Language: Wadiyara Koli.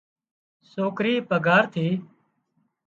سوڪرئي پگھار ٿِي